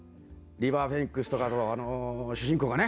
リバー・フェニックスとかとあの主人公がね。